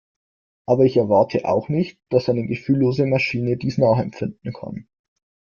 Aber ich erwarte auch nicht, dass eine gefühllose Maschine dies nachempfinden kann.